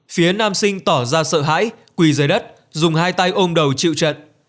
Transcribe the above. phía nam sinh tỏ ra sợ hãi quỳ dưới đất dùng hai tay ôm đầu chịu trận